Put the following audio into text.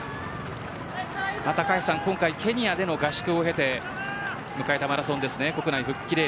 今回ケニアでの合宿を経て迎えたマラソンです。